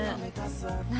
何？